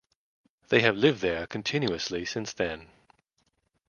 They have lived there continuously since then.